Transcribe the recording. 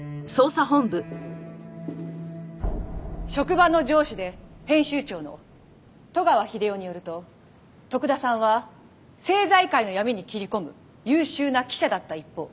職場の上司で編集長の外川英雄によると徳田さんは政財界の闇に切り込む優秀な記者だった一方。